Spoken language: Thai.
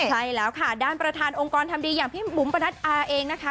ใช่แล้วค่ะด้านประธานองค์กรทำดีอย่างพี่บุ๋มประนัดอาเองนะคะ